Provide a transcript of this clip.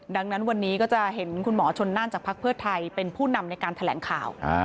ดังนั้นวันนี้ก็จะเห็นคุณหมอชนนั่นจากภักดิ์เพื่อไทยเป็นผู้นำในการแถลงข่าว